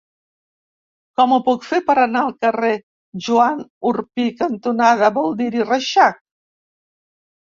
Com ho puc fer per anar al carrer Joan Orpí cantonada Baldiri Reixac?